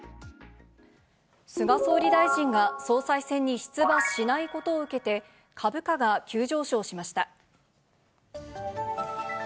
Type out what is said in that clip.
菅総理大臣が総裁選に出馬しないことを受けて、株価が急上昇しました。